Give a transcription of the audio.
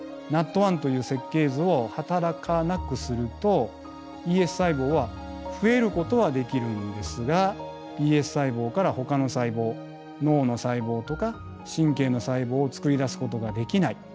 ＮＡＴ１という設計図を働かなくするとＥＳ細胞は増えることはできるんですがＥＳ細胞からほかの細胞脳の細胞とか神経の細胞をつくり出すことができない。